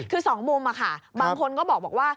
คือสองมุมบางคนก็บอกว่า